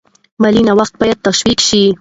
مالي نوښتونه باید تشویق شي.